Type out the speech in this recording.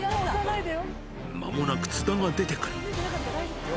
まもなく津田が出てくる。